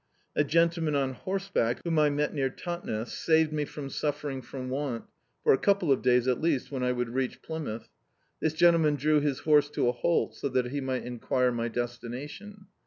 A gentleman on horseback, whom I met near Totnes, saved me from suffering from want, for a couple of days, at least, when I would reach Plymouth. This gentleman drew his horse to a halt, so that he mi^t enquire my destination.